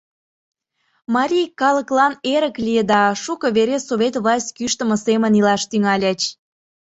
Марий калыклан эрык лие да, шуко вере Совет власть кӱштымӧ семын илаш тӱҥальыч.